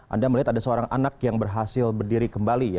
anda melihat ada seorang anak yang berhasil berdiri kembali ya